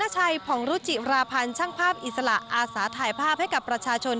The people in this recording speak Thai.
ช่างภาพอิสระอาศาถ่ายภาพให้กับประชาชน